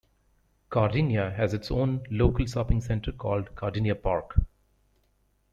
Kardinya has its own local shopping Centre called Kardinya Park.